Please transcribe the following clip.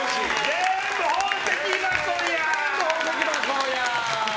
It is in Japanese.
全部宝石箱？